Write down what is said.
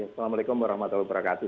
assalamu'alaikum warahmatullahi wabarakatuh